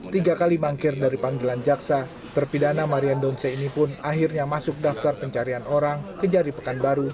tiga kali mangkir dari panggilan jaksa terpidana marian donce ini pun akhirnya masuk daftar pencarian orang ke jari pekanbaru